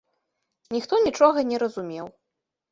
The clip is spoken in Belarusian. Ніхто нічога не разумеў.